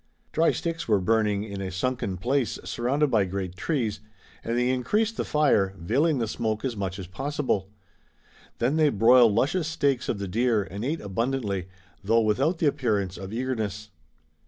Dry sticks were burning in a sunken place surrounded by great trees, and they increased the fire, veiling the smoke as much as possible. Then they broiled luscious steaks of the deer and ate abundantly, though without the appearance of eagerness.